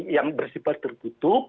yang bersifat tertutup